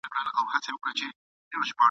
د رنګارنګ شګوفو !.